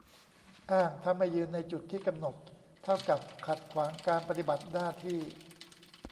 อ้างถ้าไม่ยืนในจุดที่กำหนดเท่ากับขัดขวางการปฏิบัติหน้าที่